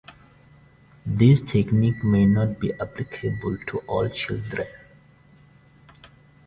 This technique may not be applicable to all children.